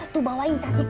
tuh bawain tasnya